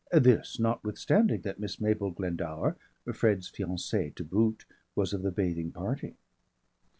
(This, notwithstanding that Miss Mabel Glendower, Fred's fiancée to boot, was of the bathing party.)